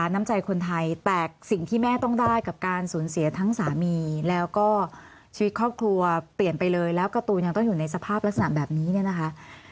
น้ำใจคนไทยแต่สิ่งที่แม่ต้องได้กับการสูญเสียทั้งสามีแล้วก็ชีวิตครอบครัวเปลี่ยนไปเลยแล้วการ์ตูนยังต้องอยู่ในสภาพลักษณะแบบนี้เนี่ยนะคะ